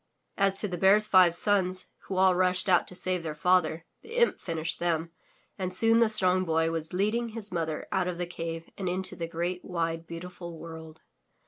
As to the Bear's five sons, who all rushed out to save their father, the imp finished them, and soon the Strong Boy was leading his mother out of the cave and into the great, wide, beautiful world.